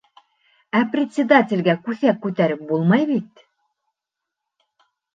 Ә председателгә күҫәк күтәреп булмай бит.